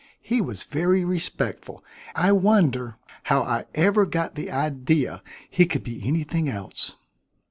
He was very respectful; I wonder how I ever got the idea he could be anything else."